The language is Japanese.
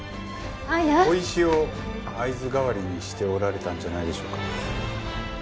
小石を合図代わりにしておられたんじゃないでしょうか。